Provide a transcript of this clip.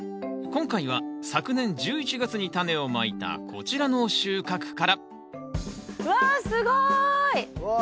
今回は昨年１１月にタネをまいたこちらの収穫からわすごい！わ